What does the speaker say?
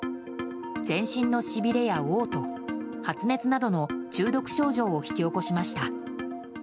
全身のしびれや嘔吐、発熱などの中毒症状を引き起こしました。